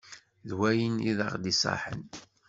D wayen i d aɣ d-iṣaḥen.